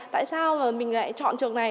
tại sao mình lại chọn trường này